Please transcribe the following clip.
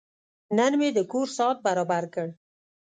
نن مې د کور ساعت برابر کړ.